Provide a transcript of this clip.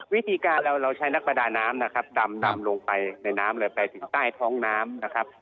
วิธีการเราใช้นักประดาน้ำนะครับดำนำลงไปในน้ำเลยไปถึงใต้ท้องน้ำนะครับ